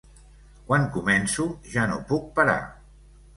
Quan començo, ja no puc parar.